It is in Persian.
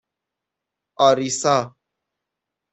آریسا